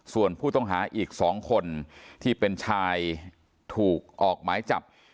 ส่วนผู้ต้องหาอีก๒คนที่เป็นชายถูกออกหมายจับ